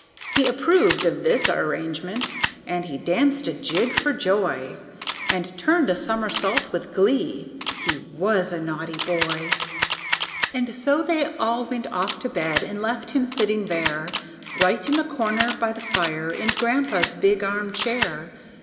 He approved of this arrangement, and he danced a jig for joy, And turned a somersault with glee; he was a naughty boy. And so they all went off to bed and left him sitting there, Right in the corner by the fire in Grandpa's big armchair.